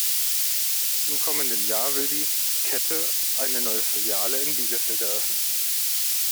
Im kommenden Jahr will die Kette eine neue Filiale in Bielefeld eröffnen.